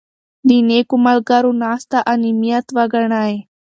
د نېکو ملګرو ناسته غنیمت وګڼئ.